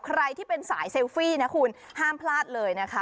ใครที่เป็นสายเซลฟี่นะคุณห้ามพลาดเลยนะคะ